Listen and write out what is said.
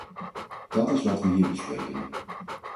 Dat is wat we hier bespreken.